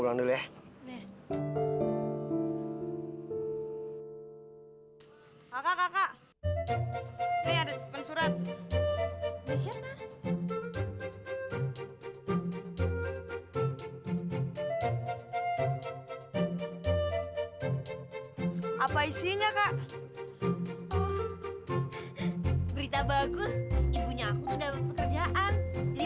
jual ya kakak kakak ada surat apa isinya kak berita bagus ibunya aku sudah pekerjaan jadi